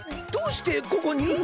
どどどうしてここに？